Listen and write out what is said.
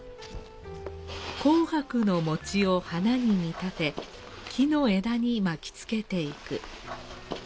紅白の餅を花に見立て木の枝に巻きつけていく。